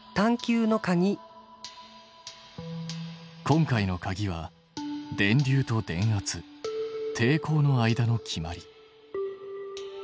今回のかぎは電流と電圧抵抗の間の決まり。